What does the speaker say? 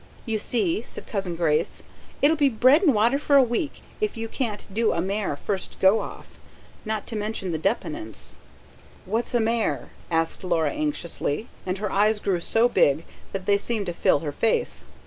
"You see!" said Cousin Grace. "It'll be bread and water for a week, if you can't do AMARE first go off not to mention the deponents." "What's AMARE?" asked Laura anxiously, and her eyes grew so big that they seemed to fill her face.